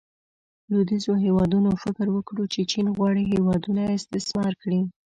لویدیځو هیوادونو فکر وکړو چې چین غواړي هیوادونه استثمار کړي.